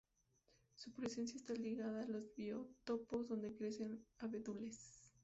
Su presencia está ligada a los biotopos donde crecen abedules.